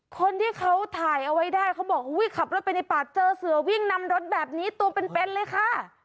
คนที่เขาถ่ายเอาไว้ได้เขาบอกอุ้ยขับรถไปในป่าเจอเสือวิ่งนำรถแบบนี้ตัวเป็นเลยค่ะ